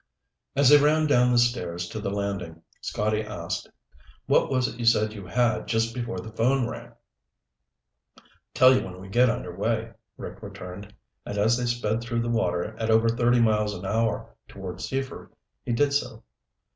As they ran down the stairs to the landing, Scotty asked, "What was it you said you had just before the phone rang?" "Tell you when we get underway," Rick returned, and as they sped through the water at over thirty miles an hour toward Seaford, he did so.